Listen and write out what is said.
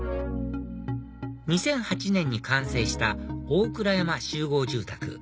２００８年に完成した大倉山集合住宅